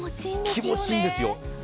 気持ちいいんですよ。